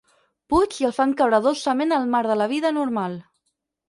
Puig i el fan caure dolçament al mar de la vida normal.